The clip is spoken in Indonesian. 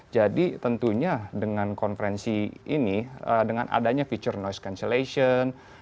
jadi tentunya dengan konferensi ini dengan adanya feature noise cancellation